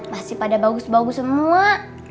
masih pada bagus bagus semua